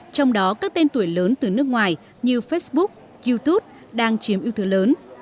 trong đó các tên tuổi lớn từ nước ngoài như facebook youtube đang chiếm ưu thế lớn